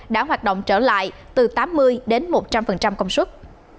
đã hoạt động trở lại từ tám mươi đến một trăm linh công suất